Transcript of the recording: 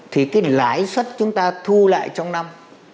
thì cái lãi suất chúng ta thu lại trong năm